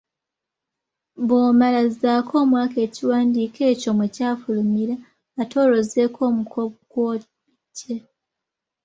Bw'omala zzaako omwaka ekiwandiiko ekyo mwe kyafulumira ate olwo ozzeeko omuko kw’obiggye.